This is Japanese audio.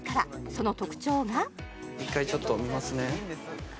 その特徴が一回ちょっと見ますね